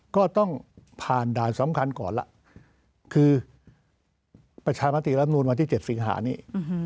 ก็ต้องผ่านด่านสำคัญก่อนล่ะคือประชามติรับนูลวันที่๗สิงหานี้